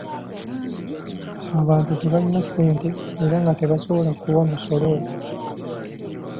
Abantu tebaalina ssente era nga tebasobola kuwa musolo ogwo.